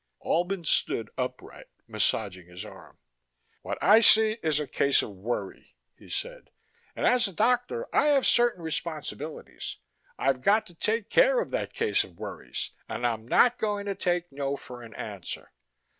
Albin stood upright, massaging his arm. "What I see is a case of worry," he said, "and as a doctor I have certain responsibilities. I've got to take care of that case of worries, and I'm not going to take no for an answer."